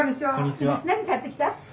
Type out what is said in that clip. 何買ってきた？